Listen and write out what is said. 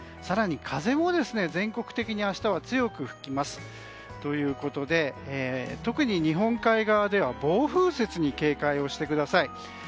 更に、風も全国的に明日は強く吹きます。ということで、特に日本海側では暴風雪に警戒してください。